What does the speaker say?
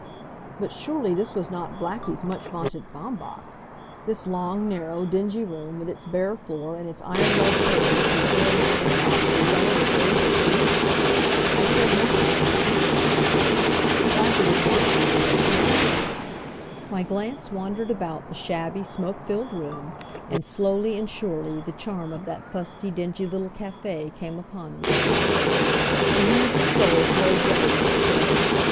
But surely this was not Blackie's much vaunted Baumbach's! This long, narrow, dingy room, with its bare floor and its iron legged tables whose bare marble tops were yellow with age and use! I said nothing as we seated ourselves. Blackie was watching me out of the tail of his eye. My glance wandered about the shabby, smoke filled room, and slowly and surely the charm of that fusty, dingy little cafe came upon me. A huge stove glowed red in one corner.